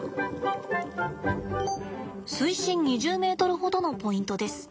水深２０ｍほどのポイントです。